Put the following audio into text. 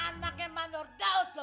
anaknya mandor daud lo